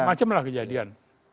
macam macam lah kejadian